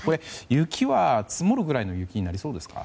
雪は積もるぐらいの雪になりそうですか？